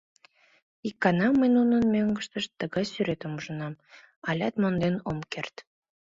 Ик гана мый нунын мӧҥгыштышт тыгай сӱретым ужынам, алят монден ом керт.